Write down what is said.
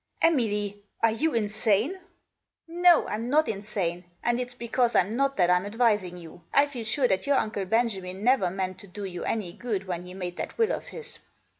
" Emily ! Are you insane ?"" No, Pm not insane, and it's because Pm not that Pm advising you. I feel sure that your Uncle Benjamin never meant to do you any good when he made that will of his."